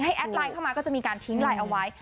แอดไลน์เข้ามาก็จะมีการทิ้งไลน์เอาไว้